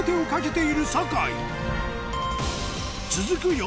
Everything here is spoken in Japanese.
続く